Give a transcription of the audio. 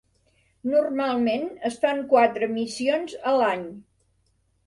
Normalment es fan quatre missions a l'any.